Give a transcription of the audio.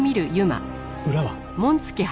裏は？